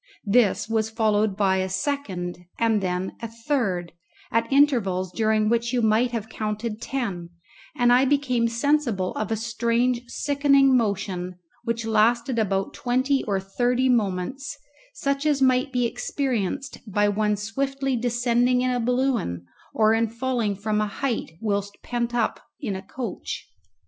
This was followed by a second and then a third, at intervals during which you might have counted ten, and I became sensible of a strange sickening motion, which lasted about twenty or thirty moments, such as might be experienced by one swiftly descending in a balloon, or in falling from a height whilst pent up in a coach.